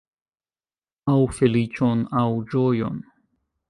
Aŭ feliĉon, aŭ ĝojon.